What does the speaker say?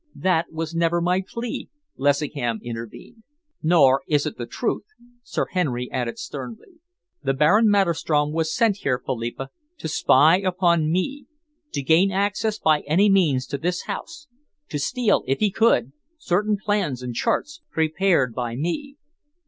"That was never my plea," Lessingham intervened. "Nor is it the truth," Sir Henry added sternly. "The Baron Maderstrom was sent here, Philippa, to spy upon me, to gain access by any means to this house, to steal, if he could, certain plans and charts prepared by me."